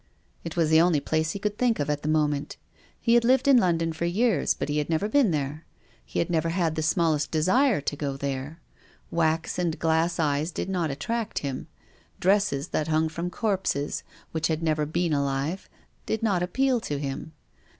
It was the only place he could think of at the moment. He had lived in London for years but he had never been there. He had never had the smallest desire to go there. Wax and glass eyes did not attract him. Dresses that hung from corpses, which had never been alive, did not appeal to him.